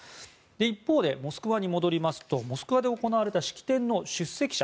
一方でモスクワに戻りますとモスクワで行われた式典の出席者